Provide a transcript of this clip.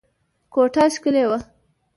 کوټه ښکلې وه.